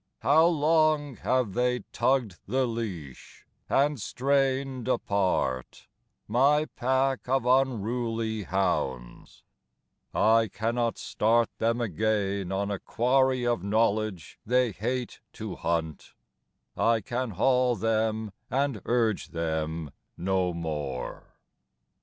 How long have they tugged the leash, and strained apart My pack of unruly hounds: I cannot start Them again on a quarry of knowledge they hate to hunt, I can haul them and urge them no more.